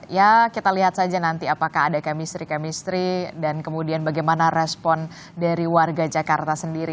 ya kita lihat saja nanti apakah ada kemistri kemistri dan kemudian bagaimana respon dari warga jakarta sendiri